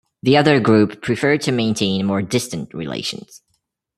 The other group preferred to maintain more distant relations.